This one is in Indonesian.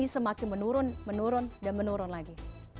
semakin menurun menurun dan menurun lagi